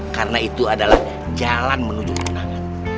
karena itu adalah jalan menuju kemenangan